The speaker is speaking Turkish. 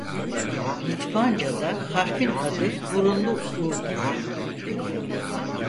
Litvancada harfin adı burunlu u'dur.